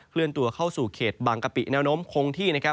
เลื่อนตัวเข้าสู่เขตบางกะปิแนวโน้มคงที่นะครับ